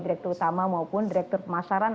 direktur utama maupun direktur pemasaran